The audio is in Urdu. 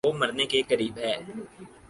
وہ مرنے کے قریب ہے